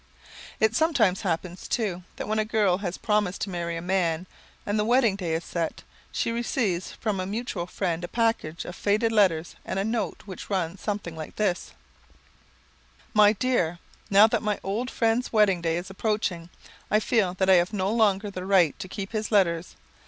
It sometimes happens, too, that when a girl has promised to marry a man and the wedding day is set, she receives from a mutual friend a package of faded letters and a note which runs something like this: "My Dear: "Now that my old friend's wedding day is approaching, I feel that I have no longer the right to keep his letters.